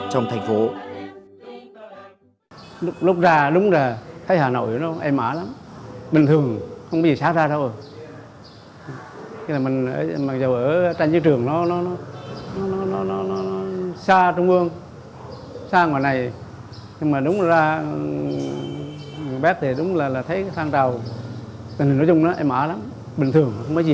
không có gì xảy ra đó